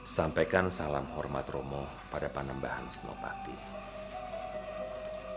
sampaikan salam hormat romo pada panembahan sunan muria